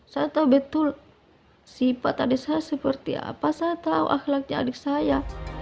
saya tahu betul sifat adik saya seperti apa saya tahu akhlaknya adik saya